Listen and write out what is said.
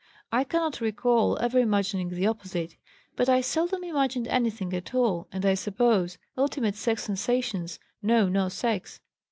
I cannot recall ever imagining the opposite, but I seldom imagined anything at all, and I suppose ultimate sex sensations know no sex.